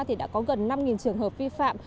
thì đã có gần năm trường hợp vi phạm